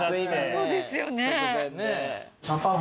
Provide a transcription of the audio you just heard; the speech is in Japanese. そうですよね。